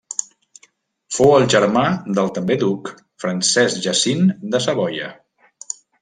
Fou el germà del també duc Francesc Jacint de Savoia.